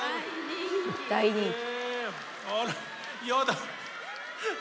大人気！